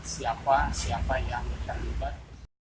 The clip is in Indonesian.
siapa siapa yang terlibat